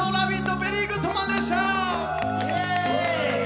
ベリーグッドマンでした！